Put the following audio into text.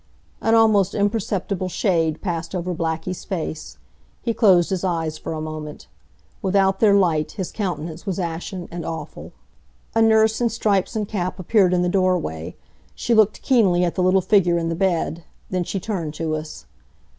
An almost imperceptible shade passed over Blackie's face. He closed his eyes for a moment. Without their light his countenance was ashen, and awful. A nurse in stripes and cap appeared in the doorway. She looked keenly at the little figure in the bed. Then she turned to us.